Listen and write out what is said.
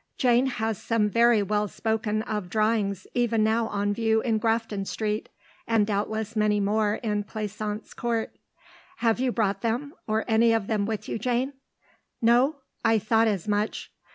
Jane has some very well spoken of drawings even now on view in Grafton Street, and doubtless many more in Pleasance Court. Have you brought them, or any of them, with you, Jane? No? I thought as much.